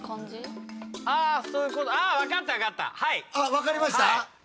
わかりました？